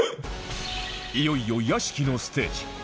いよいよ屋敷のステージ